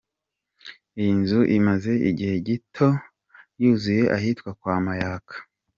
Iyi nzu imaze igihe gito yuzuye ahitwa kwa Mayaka.